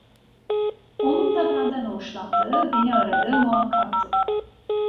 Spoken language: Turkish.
Onun da benden hoşlandığı, beni aradığı muhakkaktı.